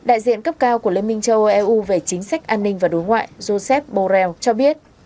đại diện cấp cao của liên minh châu âu eu về chính sách an ninh và đối ngoại joseph borrell cho biết